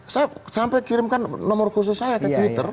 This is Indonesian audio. saya sampai kirimkan nomor khusus saya ke twitter